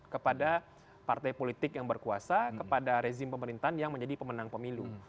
kepada partai politik yang berkuasa kepada rezim pemerintahan yang menjadi pemenang pemilu